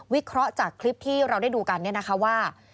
เคราะห์จากคลิปที่เราได้ดูกันเนี่ยนะคะว่า